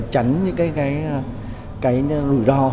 tránh những nguyên liệu